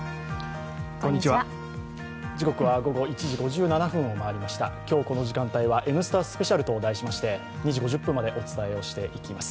時刻は午後１時５７分を回りました今日、この時間帯は「Ｎスタスペシャル」と題しまして２時５０分までお伝えしていきます。